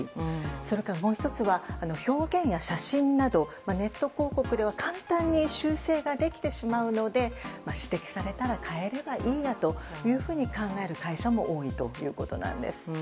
それから、もう１つは表現や写真などネット広告では簡単に修正ができてしまうので指摘されたら変えればいいやというふうに考える会社も多いということなんです。